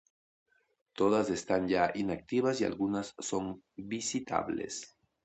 Todas están ya inactivas y algunas son visitables.